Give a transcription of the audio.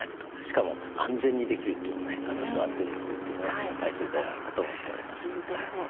しかも安全にできるというのね座ってできるというのは大切ではないかと思っております。